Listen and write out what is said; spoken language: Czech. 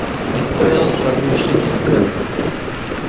Některé jeho skladby vyšly tiskem.